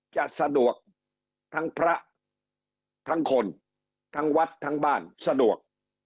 จะสะดวกทั้งพระทั้งคนทั้งวัดทั้งบ้านสะดวก